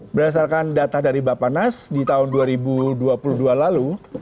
berdasarkan data dari bapak nas di tahun dua ribu dua puluh dua lalu